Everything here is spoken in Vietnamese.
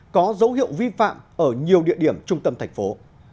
có dấu hiệu vi phạm ở nhiều địa điểm trung tâm thành phố